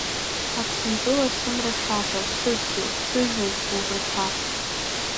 Аԥсынтәыла сымра шаша, сыдгьыл, сыжәҩан, сгәыӷырҭа…